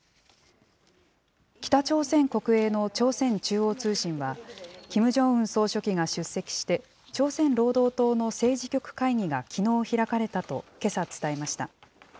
北朝鮮国営の朝鮮中央通信は、キム・ジョンウン総書記が出席して、朝鮮労働党の政治局会議がきのう開かれたと、けさ伝えました。